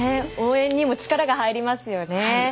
応援にも力が入りますよね。